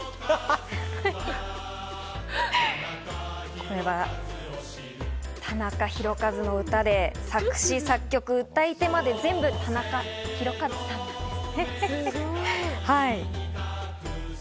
これは『田中宏和のうた』で作詞・作曲、歌い手まで、全部、田中宏和さんです。